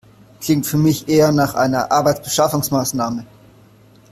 Klingt für mich eher nach einer Arbeitsbeschaffungsmaßnahme.